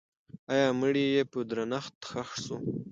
آیا مړی یې په درنښت ښخ سو؟